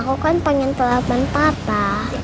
aku kan pengen telepon papa